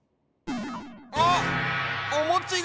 あっおもちが！